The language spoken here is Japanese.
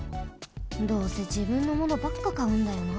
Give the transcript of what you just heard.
どうせじぶんのものばっかかうんだよな。